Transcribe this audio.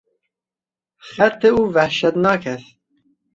خط او وحشتناک است.